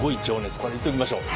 これいっときましょう。